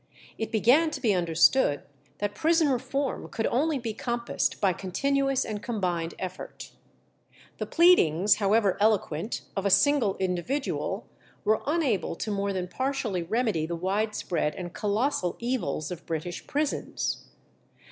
It began to be understood that prison reform could only be compassed by continuous and combined effort. The pleadings, however eloquent, of a single individual were unable to more than partially remedy the widespread and colossal evils of British prisons.